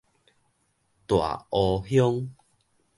大湖鄉